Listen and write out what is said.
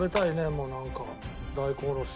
もうなんか大根おろし。